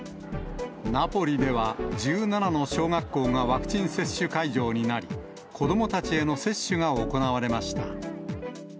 ナポリでは１７の小学校がワクチン接種会場になり、子どもたちへの接種が行われました。